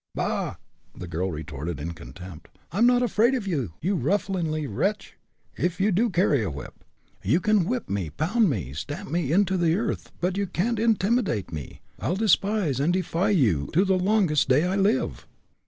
"Ba aa!" the girl retorted, in contempt. "I'm not afraid of you, you ruffianly wretch, if you do carry a whip. You can whip me, pound me, stamp me into the earth, but you can't intimidate me. I'll despise and defy you to the longest day I live!"